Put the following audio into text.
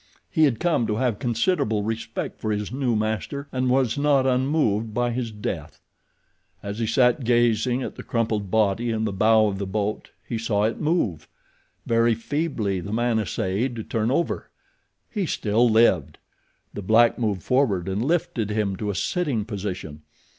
He had come to have considerable respect for his new master and was not unmoved by his death. As he sat gazing at the crumpled body in the bow of the boat he saw it move. Very feebly the man essayed to turn over. He still lived. The black moved forward and lifted him to a sitting position.